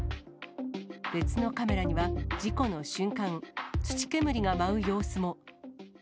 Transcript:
別のカメラには、事故の瞬間、土煙が舞う様子も。